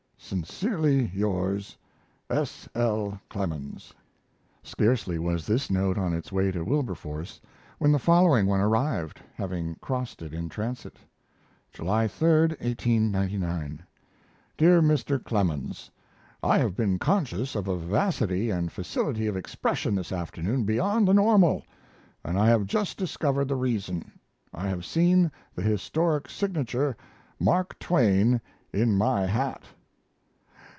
Sincerely yours, S. L. CLEMENS. Scarcely was this note on its way to Wilberforce when the following one arrived, having crossed it in transit: July 3, 1899. DEAR MR. CLEMENS, I have been conscious of a vivacity and facility of expression this afternoon beyond the normal and I have just discovered the reason!! I have seen the historic signature "Mark Twain" in my hat!!